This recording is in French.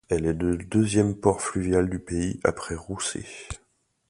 Elle est le deuxième port fluvial du pays après Roussé.